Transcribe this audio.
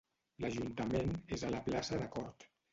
L'ajuntament és a la plaça de Cort.